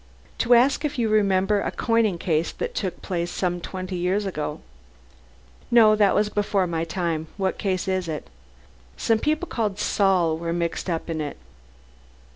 "To ask if you remember a coining case that took place some twenty years ago?" "No. That was before my time. What case is it?" "Some people called Saul were mixed up in it."